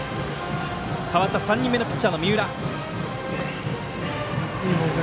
代わった３人目のピッチャーの三浦。